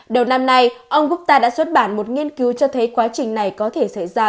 đầu năm nay ông gutta đã xuất bản một nghiên cứu cho thấy quá trình này có thể xảy ra